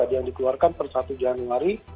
yang dikeluarkan per satu januari